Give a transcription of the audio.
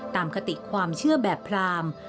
ตามคติความเชื่อแบบพราหมณ์